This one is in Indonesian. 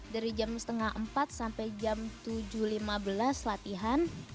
dari jam setengah empat sampai jam tujuh lima belas latihan